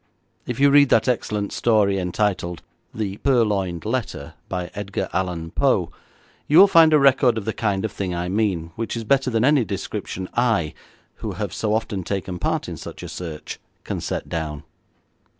If you read that excellent story, entitled The Purloined Letter, by Edgar Allan Poe, you will find a record of the kind of thing I mean, which is better than any description I, who have so often taken part in such a search, can set down.